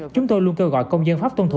chúng tôi luôn kêu gọi công dân pháp tuân thủ